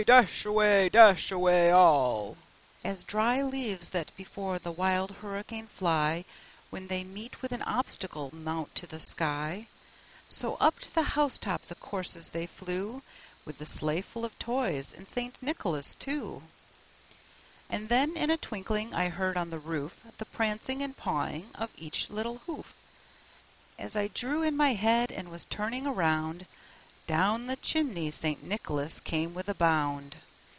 dash away! dash away all!" As dry leaves that before the wild hurricane fly, When they meet with an obstacle, mount to the sky; So up to the house top the coursers they flew, With the sleigh full of Toys, and St. Nicholas too. And then, in a twinkling, I heard on the roof The prancing and pawing of each little hoof. As I drew in my head, and was turning around, Down the chimney St. Nicholas came with a bound.